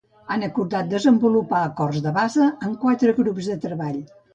Han acordat desenvolupar acords de base en quatre grups de treball.